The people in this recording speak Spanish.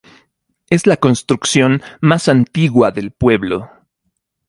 Es la construcción más antigua del pueblo.